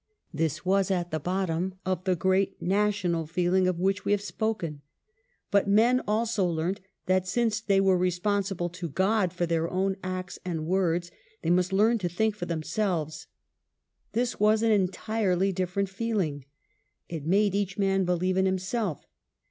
This was at the bottom of the great national feeling of which we have spoken. But men also learnt that since they are responsible to God for their own acts and words, they must learn to think for themselves. This was an entirely different feeling. It made each man believe in himself.